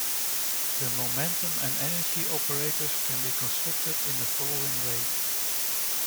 The momentum and energy operators can be constructed in the following way.